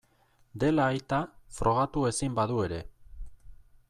Dela aita, frogatu ezin badu ere.